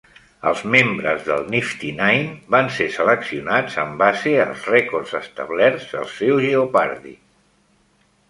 Els membres del "Nifty Nine" van ser seleccionats en base als rècords establerts al seu "Jeopardy"!